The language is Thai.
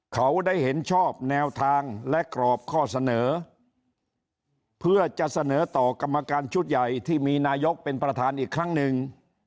เขาได้เห็นชอบแนวทางและกรอบข้อเสนอเพื่อจะเสนอต่อกรรมการชุดใหญ่ที่มีนายกเป็นประธานอีกครั้งหนึ่ง